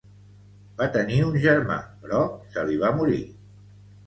Va tenir un germà, però se li va morir.